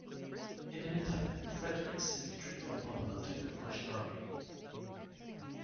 In the meantime, Frederick's infantry fell upon the left wing of the Russian army.